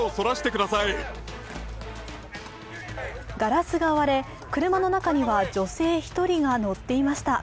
ガラスが割れ、車の中には女性１人が乗っていました。